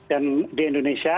dan di indonesia